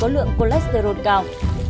lượng cholesterol cao